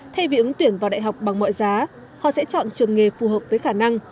thay vì ứng tuyển vào đại học bằng mọi giá họ sẽ chọn trường nghề phù hợp với khả năng